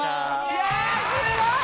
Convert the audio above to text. いやすごい！